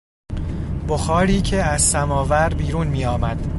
بخاری که از سماور بیرون میآمد